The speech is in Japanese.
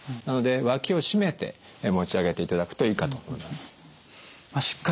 なので脇を締めて持ち上げていただくといいかと思います。